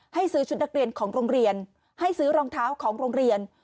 ให้ซื้อชุดนักเรียนของโรงเรียนให้ซื้อรองเท้าของโรงเรียน